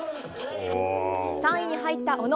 ３位に入った小野。